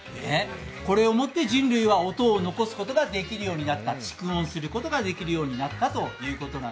これをもって人類は音を録音することができるようになった、蓄音することができるようになったと。